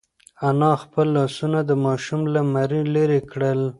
انا خپل لاسونه د ماشوم له مرۍ لرې کړل.